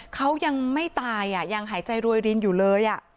เขายังไม่ตายยังหายใจรวยรินอยู่เลย